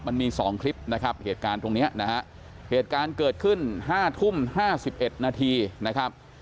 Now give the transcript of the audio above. มันมี๒คลิปนะครับเหตุการณ์ตรงนี้นะฮะเหตุการณ์เกิดขึ้น๕ทุ่ม๕๑นาทีนะครับ